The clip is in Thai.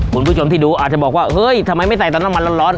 คุณผู้ชมที่ดูอาจจะบอกว่าเฮ้ยทำไมไม่ใส่ตอนน้ำมันร้อน